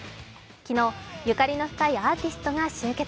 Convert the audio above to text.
昨日、ゆかりの深いアーティストが集結。